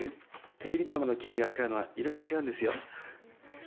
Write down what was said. テレビドラマの刑事が使うのは色が違うんですよ。